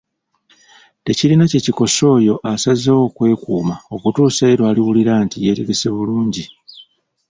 Tekirina kye kikosa oyo asazeewo okwekuuma okutuusa ye lwawulira nti yeetegese bulungi.